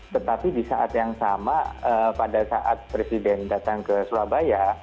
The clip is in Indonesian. tetapi di saat yang sama pada saat presiden datang ke surabaya